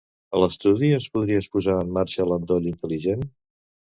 A l'estudi ens podries posar en marxa l'endoll intel·ligent?